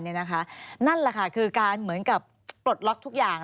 นั่นแหละค่ะคือการเหมือนกับปลดล็อกทุกอย่าง